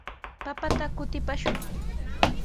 Papata kutipaashun.